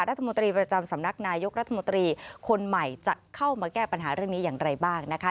รัฐมนตรีประจำสำนักนายกรัฐมนตรีคนใหม่จะเข้ามาแก้ปัญหาเรื่องนี้อย่างไรบ้างนะคะ